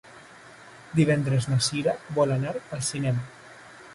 Divendres na Cira vol anar al cinema.